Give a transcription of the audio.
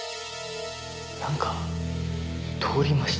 なんか通りました。